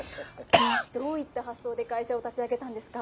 どういった発想で会社を立ち上げたんですか？